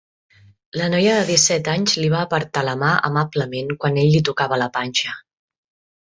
La noia de disset anys li va apartar la mà amablement quan ell li tocava la panxa.